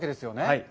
はい。